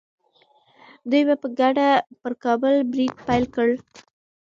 دوی به په ګډه پر کابل برید پیل کړي.